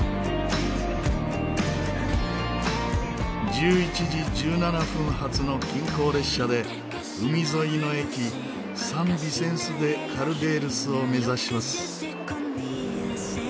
１１時１７分発の近郊列車で海沿いの駅サン・ビセンス・デ・カルデールスを目指します。